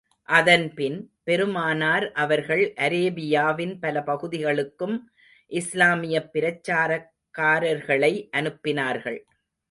அதன் பின், பெருமானார் அவர்கள் அரேபியாவின் பல பகுதிகளுக்கும் இஸ்லாமியப் பிரச்சாரகர்களை அனுப்பினார்கள்.